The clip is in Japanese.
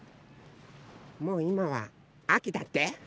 もういまはあきだって？